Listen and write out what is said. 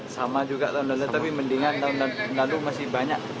sama juga tahun lalu tapi mendingan tahun tahun lalu masih banyak